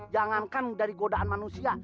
jangankan dari godaan manusia